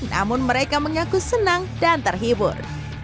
namun mereka mengaku senang dan terhibur